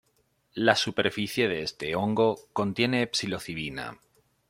La superficie de este hongo contiene psilocibina.